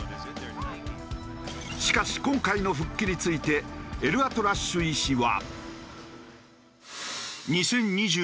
しかし今回の復帰についてエルアトラッシュ医師は。